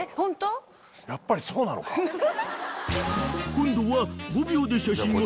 ［今度は］